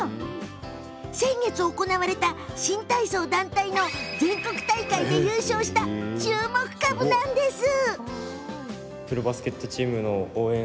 先月、行われた新体操の団体の全国大会で優勝した注目株なのよ。